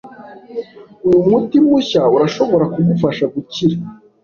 Uyu muti mushya urashobora kugufasha gukira.